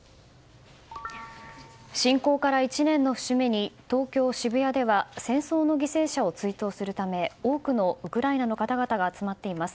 侵攻から１年の節目に東京・渋谷では、戦争の犠牲者を追悼するため多くのウクライナの方々が集まっています。